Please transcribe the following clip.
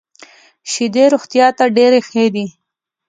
شیدې روغتیا ته ډېري ښه دي .